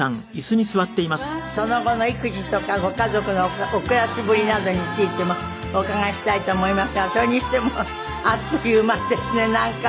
その後の育児とかご家族のお暮らしぶりなどについてもお伺いしたいと思いますがそれにしてもあっという間ですねなんかね。